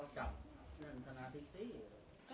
แต่ตอนนี้หลับมาแล้วว่าเราก็จะขบกับพลังติดต่างจับ